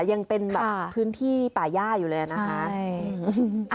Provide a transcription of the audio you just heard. ยังเป็นแบบพื้นที่ป่าย่าอยู่เลยนะคะ